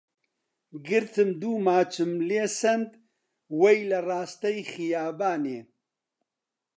گرتم دوو ماچم لێ سەند وەی لە ڕاستەی خیابانێ